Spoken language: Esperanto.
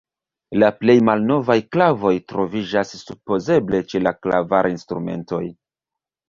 La plej malnovaj klavoj troviĝas supozeble ĉe la klavarinstrumentoj.